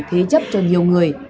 thế chấp cho nhiều người